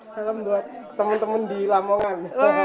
salam buat temen temen di lamongan